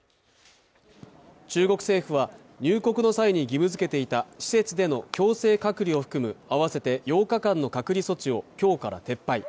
中国政府は入国の際に義務づけていた施設での強制隔離を含む合わせて８日間の隔離措置を今日から撤廃。